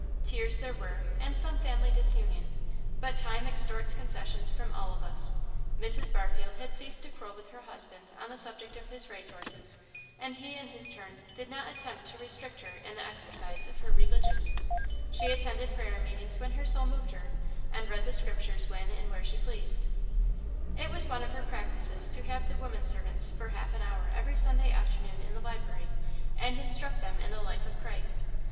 Tears there were, and some family disunion, but time extorts concessions from all of us. Mrs. Barfield had ceased to quarrel with her husband on the subject of his racehorses, and he in his turn did not attempt to restrict her in the exercise of her religion. She attended prayer meetings when her soul moved her, and read the Scriptures when and where she pleased. It was one of her practices to have the women servants for half an hour every Sunday afternoon in the library, and instruct them in the life of Christ. Mrs.